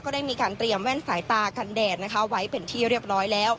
ได้มีการเตรียมแว่นสายตากันแดดนะคะไว้เป็นที่เรียบร้อยแล้ว